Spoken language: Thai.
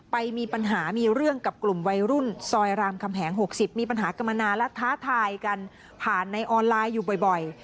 ไปมีปัญหามีเรื่องกับกลุ่มวัยรุ่นซอยรามคำแหง๖๐มีปัญหากันมานานและท้าทายกันผ่านในออนไลน์อยู่บ่อย